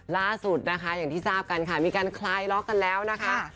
ล่าสุดนะคะอย่างที่ทราบกันค่ะมีการคลายล็อกกันแล้วนะคะ